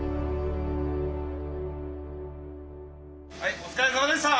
お疲れさまでした！